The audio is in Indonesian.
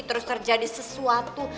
terus terjadi sesuatu